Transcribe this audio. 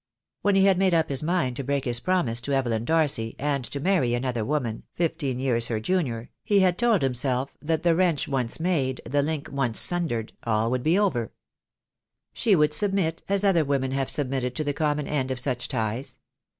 When he had made up his mind to break his promise THE DAY WILL COME. 213 to Evelyn Darcy, and to marry another woman, fifteen years her junior, he had told himself that the wrench once made, the link once sundered, all would be over. She would submit as other women have submitted to the com mon end of such ties.